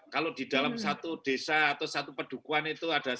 kalau di dalam satu desa atau satu pedukuan itu ada satu